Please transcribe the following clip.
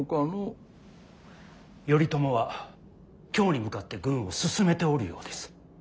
頼朝は京に向かって軍を進めておるようです。